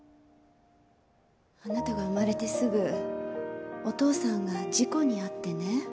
あなたが生まれてすぐお父さんが事故に遭ってね。